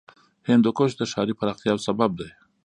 هندوکش د ښاري پراختیا یو سبب دی.